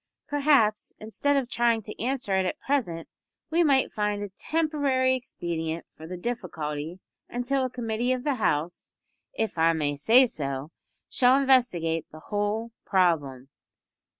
Perhaps, instead of trying to answer it at present, we might find a temporary expedient for the difficulty until a Committee of the House if I may say so shall investigate the whole problem."